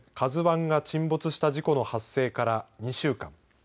ＫＡＺＵＩが沈没した事故の発生から２週間。